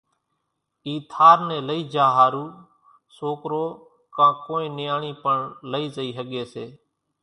اِي ٿار نين لئِي جھا ۿارُو سوڪرو ڪان ڪونئين نياڻي پڻ لئي زئي ۿڳي سي